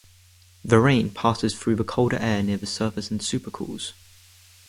The rain passes through colder air near the surface and supercools.